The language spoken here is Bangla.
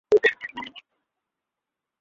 আর শুনো, ভিতর থেকে দরজা বন্ধ করে নাও।